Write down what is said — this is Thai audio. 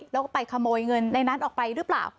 แล้วก็ไปขโมยเงินในนั้นออกไปหรือเปล่า